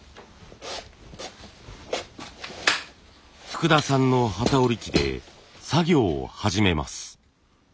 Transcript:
福田さんの機織り機で作業を始めます。